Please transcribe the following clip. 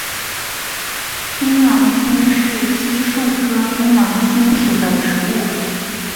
槟榔青是漆树科槟榔青属的植物。